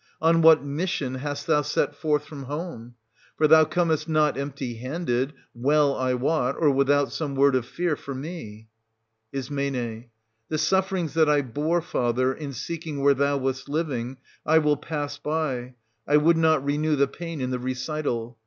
On what mission hast thou set forth from home ? For thou comest not empty handed, well 360 I wot, or without some word of fear for me. Is. The sufferings that I bore, father, in seeking where thou wast living, I will pass by; I would not renew the pain in the recital.